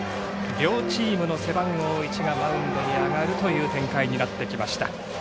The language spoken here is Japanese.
両チームの背番号１がマウンドに上がるという展開になってきました。